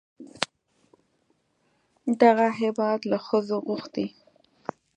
دغه هېواد له ښځو غوښتي